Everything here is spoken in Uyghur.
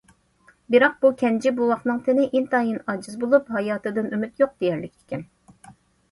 بىراق بۇ كەنجى بوۋاقنىڭ تېنى ئىنتايىن ئاجىز بولۇپ، ھاياتىدىن ئۈمىد يوق دېيەرلىك ئىكەن.